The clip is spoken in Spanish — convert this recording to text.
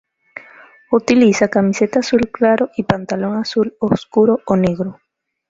Utiliza camiseta azul claro y pantalón azul oscuro o negro.